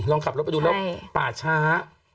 ลองขับรถไปดูแล้วป่าช้า